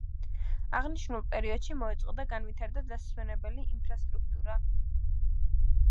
აღნიშნულ პერიოდში მოეწყო და განვითარდა დასასვენებელი ინფრასტრუქტურა.